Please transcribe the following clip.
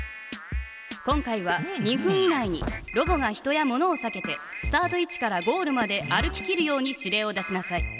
今回は２分以内にロボが人や物をさけてスタート位置からゴールまで歩ききるように指令を出しなさい。